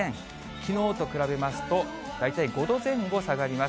きのうと比べますと、大体５度前後下がります。